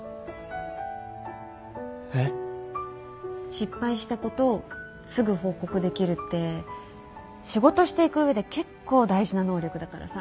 失敗したことすぐ報告できるって仕事していく上で結構大事な能力だからさ